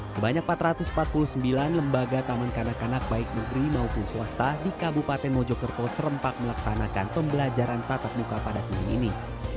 sebanyak empat ratus empat puluh sembilan lembaga taman kanak kanak baik negeri maupun swasta di kabupaten mojokerto serempak melaksanakan pembelajaran tatap muka pada senin ini